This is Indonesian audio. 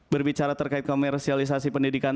berbicara terkait komersialisasi pendidikan